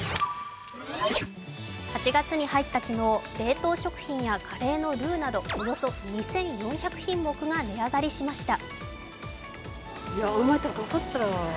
８月に入った昨日、冷凍食品やカレーのルーなどおよそ２４００品目が値上がりしました。